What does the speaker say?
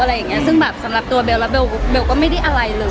อะไรอย่างเงี้ยซึ่งแบบสำหรับตัวเบลแล้วเบลก็ไม่ได้อะไรเลยอ่ะ